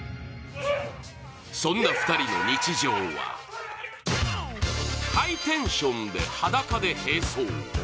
そんな２人の日常はハイテンションで裸で並走。